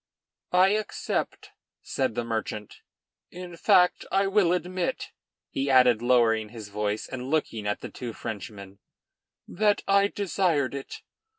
"I accept," said the merchant; "in fact I will admit," he added, lowering his voice and looking at the two Frenchmen, "that I desired it.